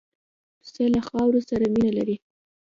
پسه له خاورو سره مینه لري.